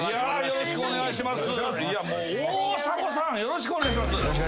よろしくお願いします。